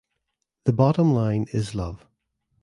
The bottom line is love.